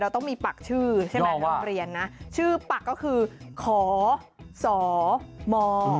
เราต้องมีปากชื่อใช่ไหมชื่อปากก็คือขสม